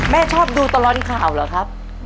ชอบดูตลอดข่าวเหรอครับ